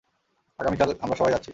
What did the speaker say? আগামীকাল, আমরা সবাই যাচ্ছি।